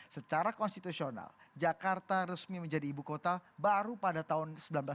secara konstitusional jakarta resmi menjadi ibu kota baru pada tahun seribu sembilan ratus sembilan puluh